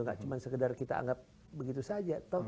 nggak cuma sekedar kita anggap begitu saja